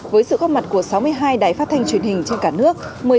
với sự góp mặt của sáu mươi hai đài phát thanh truyền hình trên cả nước